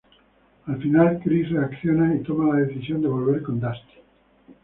Al final Chris reacciona y toma la decisión de volver con Dusty.